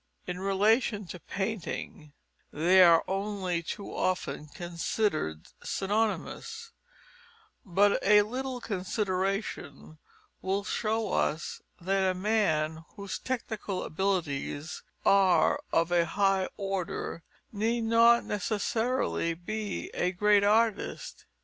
In relation to painting they are only too often considered synonymous, but a little consideration will show us that a man whose technical abilities are of a high order need not necessarily be a great artist.